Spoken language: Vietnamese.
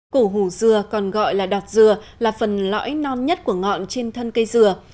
cổ hù dừa còn gọi là đọt dừa là phần lõi non nhất của ngọn trên thân cây dừa